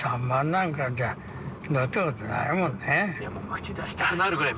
口出したくなるぐらい。